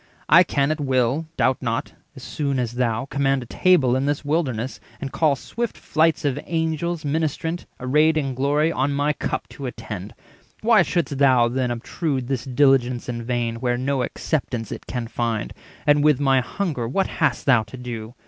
I can at will, doubt not, as soon as thou, Command a table in this wilderness, And call swift flights of Angels ministrant, Arrayed in glory, on my cup to attend: Why shouldst thou, then, obtrude this diligence In vain, where no acceptance it can find? And with my hunger what hast thou to do?